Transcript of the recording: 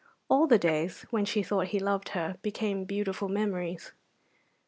All the days when she thought he loved her became beautiful memories.